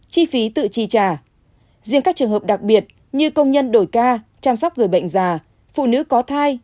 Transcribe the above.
chi phí tự chi trả riêng các trường hợp đặc biệt như công nhân đổi ca chăm sóc người bệnh già phụ nữ có thai